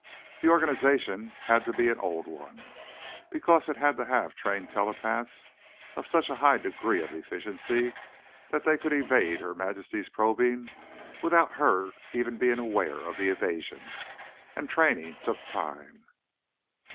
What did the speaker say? The organization had to be an old one, because it had to have trained telepaths of such a high degree of efficiency that they could evade Her Majesty's probing without her even being aware of the evasion. And training took time.